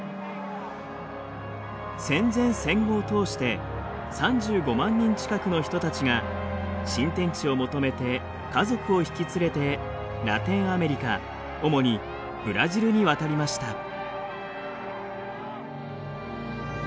戦前戦後を通して３５万人近くの人たちが新天地を求めて家族を引き連れてラテンアメリカ主にブラジルに渡りました。